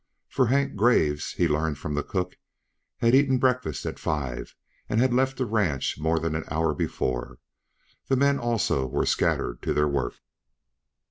For Hank Graves, he learned from the cook, had eaten breakfast at five and had left the ranch more than an hour before; the men also were scattered to their work.